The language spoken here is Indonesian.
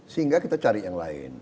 sehingga kita cari yang lain